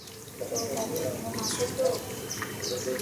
তোর রাতে ঘুম আসে তো?